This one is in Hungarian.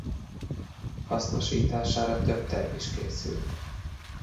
Hasznosítására több terv is készült.